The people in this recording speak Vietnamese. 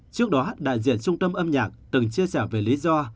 trước đó đại diện trung tâm âm nhạc từng chia sẻ về lý do